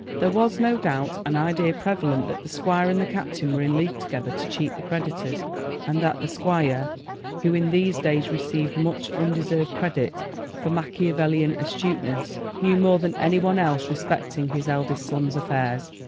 There was, no doubt, an idea prevalent that the squire and the captain were in league together to cheat the creditors, and that the squire, who in these days received much undeserved credit for Machiavellian astuteness, knew more than any one else respecting his eldest son's affairs.